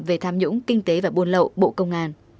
về tham nhũng kinh tế và buôn lậu bộ công an